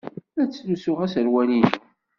La ttlusuɣ aserwal-inu.